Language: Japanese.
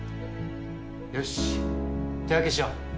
よしっ手分けしよう